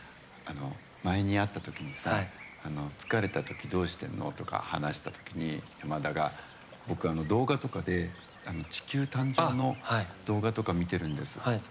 前に会った時にさ、疲れた時どうしているの？とか話した時に山田が、僕、動画とかで地球誕生の動画見てるんですって。